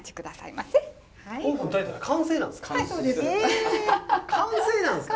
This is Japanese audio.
完成なんですか！